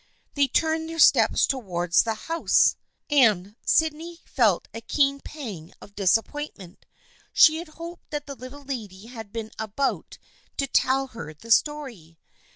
They turned their steps towards the house, and Sydney felt a keen pang of disappointment. She had hoped that the Little Lady had been about to tell her the story.